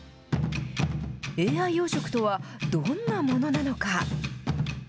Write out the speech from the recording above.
ＡＩ養殖とは、どんなものなのか。